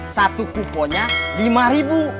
satu kuponnya lima ribu